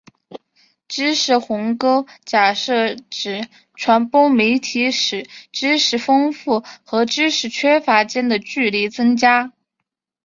知识鸿沟假设指传播媒体使知识丰富和知识缺乏间的距离增加。